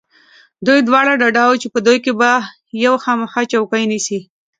دوی دواړه ډاډه و چې په دوی کې به یو خامخا چوکۍ نیسي.